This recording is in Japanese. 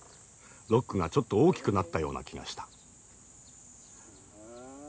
ロックがちょっと大きくなったような気がした。